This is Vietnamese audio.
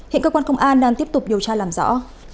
hiện cơ quan công an đang tiếp tục điều tra làm rõ